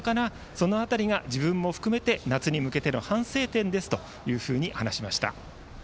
その辺りが自分も含めて、夏に向けての反省点ですと話しました。